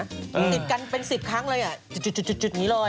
ติดกันเป็น๑๐ครั้งเลยจุดนี้เลย